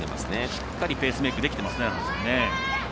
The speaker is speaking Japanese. しっかりペースメイクできてますね。